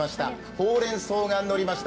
ほうれんそうがのりました